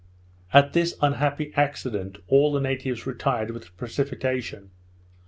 At this unhappy accident, all the natives retired with precipitation.